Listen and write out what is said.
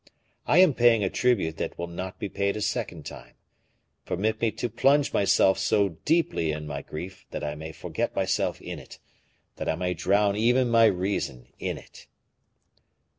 I am paying a tribute that will not be paid a second time; permit me to plunge myself so deeply in my grief that I may forget myself in it, that I may drown even my reason in it."